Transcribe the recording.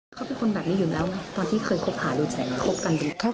เขาเป็นคนแบบนี้อยู่แล้วตอนที่เคยคบหารู้ใจมากคบกันด้วย